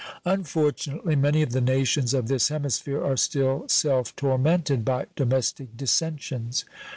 Unfortunately, many of the nations of this hemisphere are still self tormented by domestic dissensions.